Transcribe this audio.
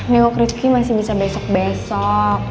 nengok rizky masih bisa besok besok